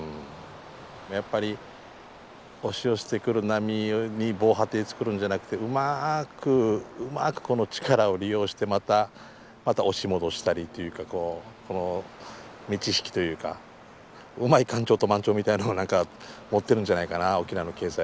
やっぱり押し寄せてくる波に防波堤つくるんじゃなくてうまくうまくこの力を利用してまた押し戻したりというかこの満ち引きというかうまい干潮と満潮みたいのを持ってるんじゃないかな沖縄の経済はと思いますね。